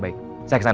saya kesana sekarang